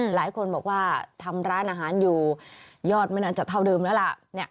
หลายคนบอกว่าทำร้านอาหารอยู่ยอดไม่น่าจะเท่าเดิมแล้วล่ะ